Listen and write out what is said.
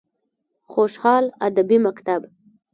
خوشحال ادبي مکتب: